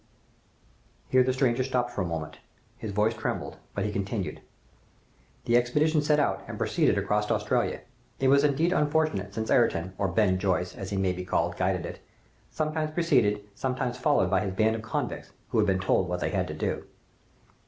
Here the stranger stopped for a moment. His voice trembled, but he continued, "The expedition set out and proceeded across Australia. It was inevitably unfortunate, since Ayrton, or Ben Joyce, as he may be called, guided it, sometimes preceded, sometimes followed by his band of convicts, who had been told what they had to do.